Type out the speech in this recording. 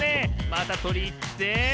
またとりにいって。